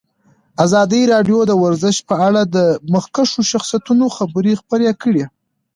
ازادي راډیو د ورزش په اړه د مخکښو شخصیتونو خبرې خپرې کړي.